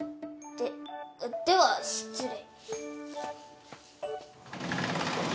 ででは失礼。